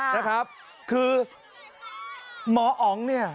นะครับคือหมออ๋องเนี่ย